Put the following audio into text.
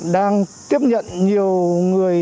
đang tiếp nhận nhiều người